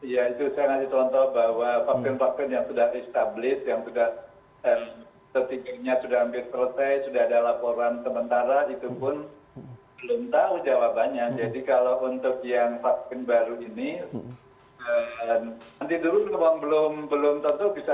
ya itu sangat contoh bahwa vaksin vaksin yang sudah di establish yang setingginya sudah ambil proses sudah ada laporan sementara itu pun belum tahu jawabannya